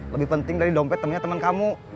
lebih penting dari dompet temennya teman kamu